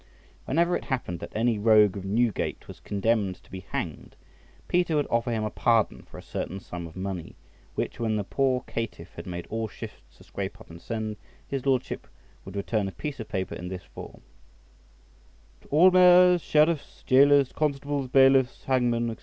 Whenever it happened that any rogue of Newgate was condemned to be hanged, Peter would offer him a pardon for a certain sum of money, which when the poor caitiff had made all shifts to scrape up and send, his lordship would return a piece of paper in this form:— "To all mayors, sheriffs, jailors, constables, bailiffs, hangmen, &c.